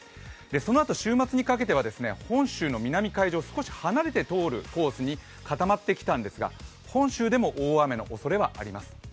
そのあと週末にかけては本州の南海上、少し離れて通るコースに固まってきたのですが、本州でも大雨のおそれはあります。